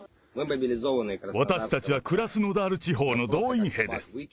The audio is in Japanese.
私たちはクラスノダール地方の動員兵です。